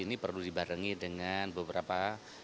ini perlu dibarengi dengan beberapa